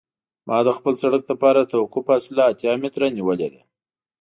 ما د خپل سرک لپاره د توقف فاصله اتیا متره نیولې ده